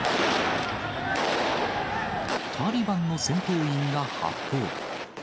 タリバンの戦闘員が発砲。